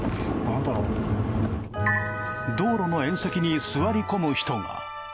道路の縁石に座り込む人が。